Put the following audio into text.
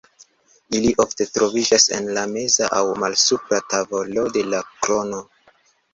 Ili ofte troviĝas en la meza aŭ malsupra tavolo de la krono.